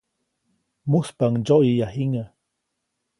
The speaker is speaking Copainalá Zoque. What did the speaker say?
Mujspaʼuŋ ndsyoʼyäya jiŋäʼ.